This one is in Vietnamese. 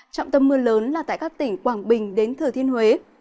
trọng tâm mưa lớn là tại các tỉnh quảng bình đến thừa thiên huế